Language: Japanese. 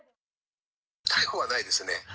逮捕はないですね。